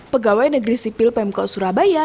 pegawai negeri sipil pemko surabaya